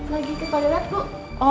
lagi ke paderan ku